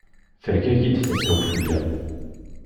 Tergagi-d tasa-w fell-am.